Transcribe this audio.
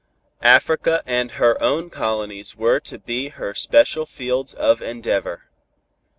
Africa and her own colonies were to be her special fields of endeavor.